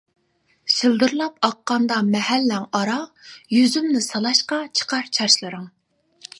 شىلدىرلاپ ئاققاندا مەھەللەڭ ئارا، يۈزۈمنى سىلاشقا چىقار چاچلىرىڭ.